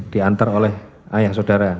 diantar oleh ayah saudara